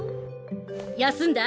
休んだ？